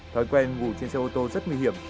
thói quen ngủ trên xe ô tô rất nguy hiểm